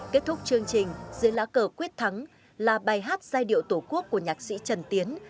kết thúc chương trình dưới lá cờ quyết thắng là bài hát giai điệu tổ quốc của nhạc sĩ trần tiến